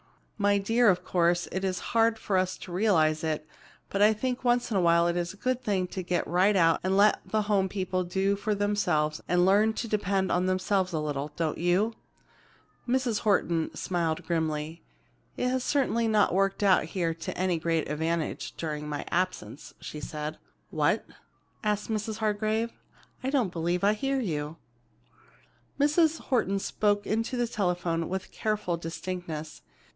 My dear, of course, it is hard for us to realize it, but I think once in awhile it is a good thing to get right out and let the home people do for themselves and learn to depend on themselves a little. Don't you?" Mrs. Horton smiled grimly. "It has certainly not worked out here to any great advantage, during my absence," she said. "What?" asked Mrs. Hargrave. "I don't believe I hear you." Mrs. Horton spoke into the telephone with careful distinctness.